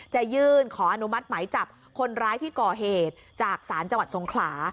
จะยื่นขออนุมัติไหมจับคนร้ายที่ก่อเหตุจากศาลจังหวัดสงขลา